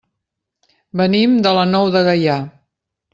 Venim de la Nou de Gaià.